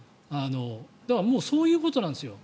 だからもうそういうことなんですよ。